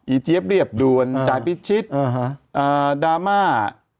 อิ๊เจี๊ยบเรียบดุลจ่ายพิชิสว์ดรามา